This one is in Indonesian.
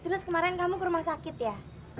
terus kemarin kamu ke rumah sakit ya